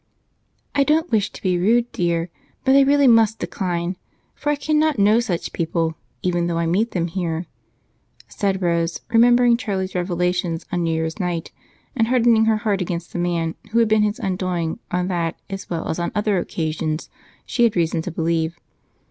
"I don't wish to be rude, dear, but I really must decline, for I cannot know such people, even though I meet them here," said Rose, remembering Charlie's revelations on New Year's night and hardening her heart against the man who had been his undoing on that as well as on other occasions, she had reason to believe.